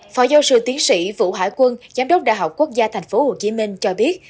phó giáo sư tiến sĩ vũ hải quân giám đốc đại học quốc gia tp hcm cho biết